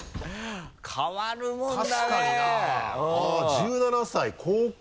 １７歳高校？